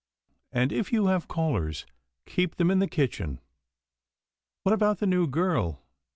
" And if you have callers, keep them in the kitchen." " What about the new girl